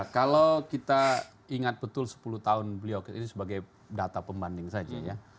kalau kita ingat betul sepuluh tahun beliau ini sebagai data pembanding saja ya